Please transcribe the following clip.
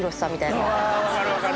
うわ分かる分かる！